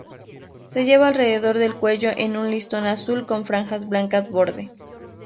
Se lleva alrededor del cuello en un listón azul con franjas blancas borde.